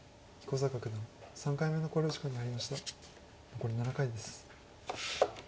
残り７回です。